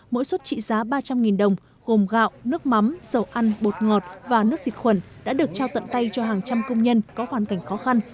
mỗi suất trị giá ba trăm linh đồng gồm gạo nước mắm dầu ăn bột ngọt và nước dịch khuẩn đã được trao tận tay cho hàng trăm công nhân có hoàn cảnh khó khăn